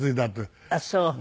あっそう。